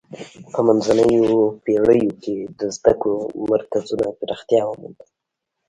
په منځنیو پیړیو کې د زده کړو مرکزونو پراختیا ومونده.